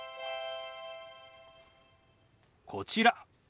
こちら。